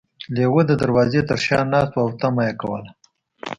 لیوه د دروازې تر شا ناست و او تمه یې کوله.